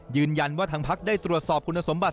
ยืนยันว่าทางพักได้ตรวจสอบคุณสมบัติ